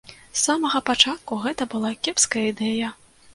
З самага пачатку гэта была кепская ідэя.